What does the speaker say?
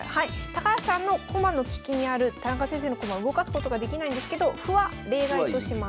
高橋さんの駒の利きにある田中先生の駒動かすことができないんですけど歩は例外とします。